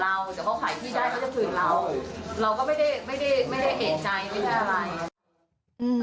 เราก็ไม่ได้เอกใจไม่ได้อะไร